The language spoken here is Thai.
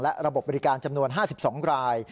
และระบบบริการจำนวน๕๒ราย